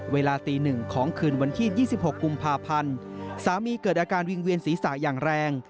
เวลาตีหนึ่งของคืนวันที่๒๖กุมภาพันธ์สามีเกิดอาการวิงเวียนศีรษะอย่างแรง